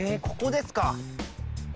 ここですか。